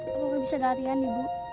kalau bisa latihan ibu